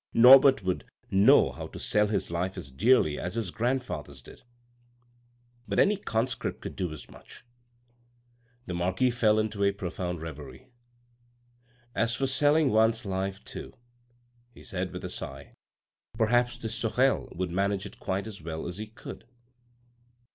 Norbert would know how to sell his life as dearly as his grandfathers did. But any conscript could do as much." THE SECRET NOTE 381 The marquis fell into a profound reverie. " As for selling one's life too," he said with a sigh, " perhaps this Sorel would manage it quite as well as he could.